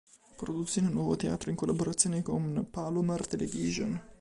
Produzione Nuovo Teatro in collaborazione con Palomar Television.